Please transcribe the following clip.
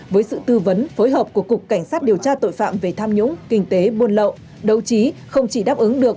với sự tư vấn phối hợp của cục cảnh sát điều tra tội phạm về tham nhũng kinh tế buôn lậu đấu trí không chỉ đáp ứng được